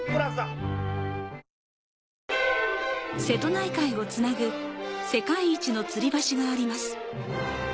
瀬戸内海をつなぐ、世界一のつり橋があります。